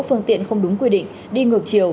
phương tiện không đúng quy định đi ngược chiều